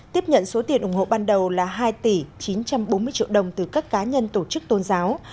tiếp nhận số tiền ủng hộ ban đầu là hai tỷ chín trăm bốn mươi triệu đồng từ các cá nhân tổ chức tôn giáo